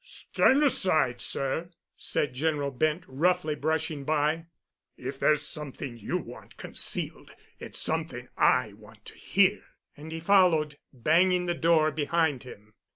"Stand aside, sir," said General Bent, roughly brushing by. "If there's something you want concealed, it's something I want to hear." And he followed, banging the door behind him.